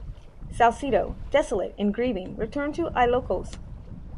Salcedo, desolate and grieving, returned to Ilocos.